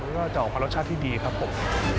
มันก็จะออกมารสชาติที่ดีครับผม